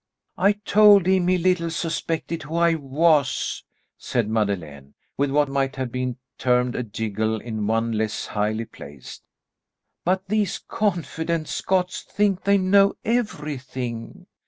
"I told him he little suspected who I was," said Madeleine, with what might have been termed a giggle in one less highly placed; "but these confident Scots think they know everything.